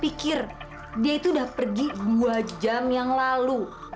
pikir dia itu udah pergi dua jam yang lalu